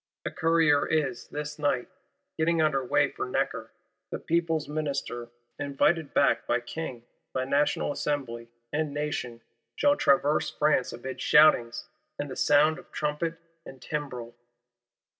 A courier is, this night, getting under way for Necker: the People's Minister, invited back by King, by National Assembly, and Nation, shall traverse France amid shoutings, and the sound of trumpet and timbrel.